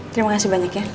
terima kasih banyak ya